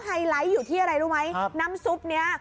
ไฮไลท์อยู่ที่อะไรรู้ไหมน้ำซุปนี้